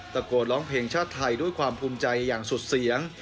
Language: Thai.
ตะโกนร้องเพลงชาติไทยด้วยความภูมิใจอย่างสุดเสียง